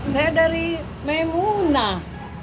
saya dari memunah